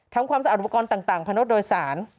ทำความสะอาดอุปกรณ์ต่างพนดโดยสาร